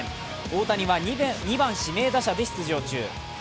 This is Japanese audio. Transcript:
大谷は２番・指名打者で出場中。